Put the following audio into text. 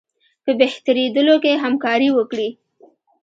په بهترېدلو کې همکاري وکړي.